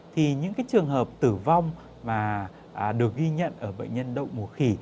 thì những trường hợp tử vong mà được ghi nhận ở bệnh nhân đậu mùa khỉ